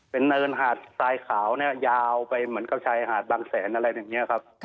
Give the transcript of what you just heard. เป็นเนินหาดสายขาวยาวไปเหมือนกับหาดบางแสนอะไรแบบนี้ครับ